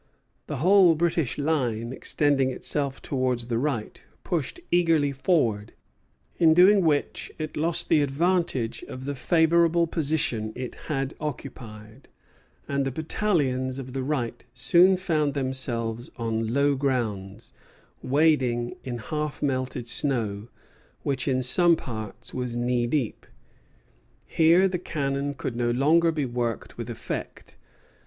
The whole British line, extending itself towards the right, pushed eagerly forward: in doing which it lost the advantage of the favorable position it had occupied; and the battalions of the right soon found themselves on low grounds, wading in half melted snow, which in some parts was knee deep. Here the cannon could no longer be worked with effect.